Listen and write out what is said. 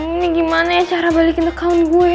ini gimana ya cara balikin account gue ya